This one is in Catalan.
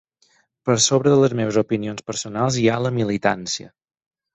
Per sobre de les meves opinions personals hi ha la militància.